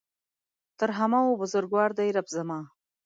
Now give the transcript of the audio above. تر همه ؤ بزرګوار دی رب زما